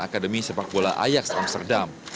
akademi sepak bola ayaks amsterdam